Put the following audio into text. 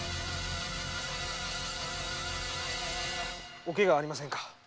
お怪我はありませんか？